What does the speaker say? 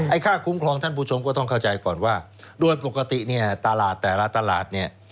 ไอ้ค่าคุ้มครองท่านผู้ชมก็ต้องเข้าใจก่อนว่าโดนปกติตลาดแต่ละตลาด